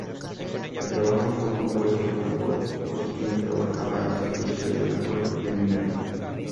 El trabajo fue compuesto cuando Josquin trabajaba al servicio de la corte de Milán.